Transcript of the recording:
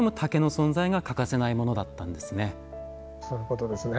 そういうことですね。